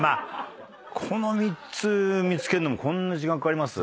この３つ見つけるのにこんな時間かかります？